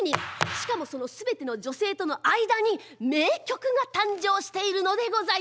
しかもその全ての女性との間に名曲が誕生しているのでございます。